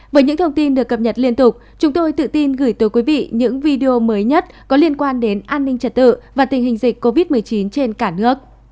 với những thông tin được cập nhật liên tục chúng tôi tự tin gửi tới quý vị những video mới nhất có liên quan đến an ninh trật tự và tình hình dịch covid một mươi chín trên cả nước